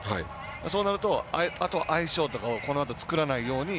そうなると、相性とかをこのあと作らないように。